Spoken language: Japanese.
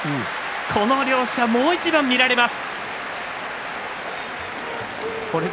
この両者もう一度見られます。